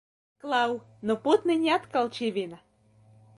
Klau! Nu putniņi atkal čivina!